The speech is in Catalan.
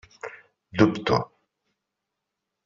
Dubto.